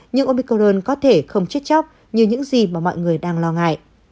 những omicron có thể không chết chóc như những gì mà mọi người đang lo ngại